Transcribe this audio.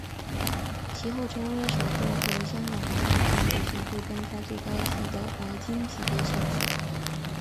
其后成为首座获得香港环保建筑协会颁发最高级的白金级别校舍。